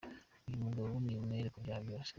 Uyu mugabo ni umwere ku byaha byose.